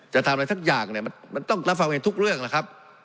จะทำอะไรสักอย่างเนี่ยมันต้องรับฟังเองทุกเรื่องแล้วครับ